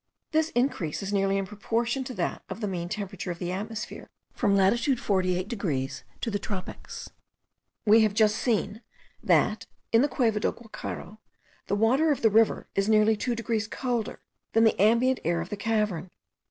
This increase is nearly in proportion to that of the mean temperature of the atmosphere, from latitude 48 degrees to the tropics. We have just seen that, in the Cueva del Guacharo, the water of the river is nearly 2 degrees colder than the ambient air of the cavern.